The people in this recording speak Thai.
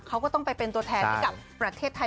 เขาก็ต้องไปเป็นตัวแทนให้กับประเทศไทย